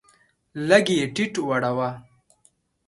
لږ یې ټیټه وړوه.